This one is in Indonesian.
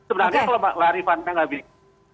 sebenarnya kalau marifandang nggak bingung